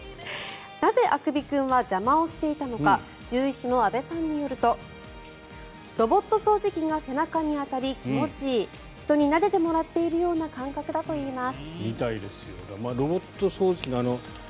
なぜ、あくび君は邪魔をしていたのか獣医師の阿部さんによるとロボット掃除機が背中に当たり気持ちいい人になでてもらっているような感覚だといいます。